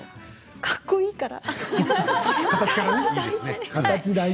かっこいいから。